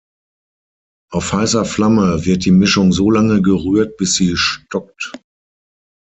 Auf heißer Flamme wird die Mischung so lange gerührt, bis sie stockt.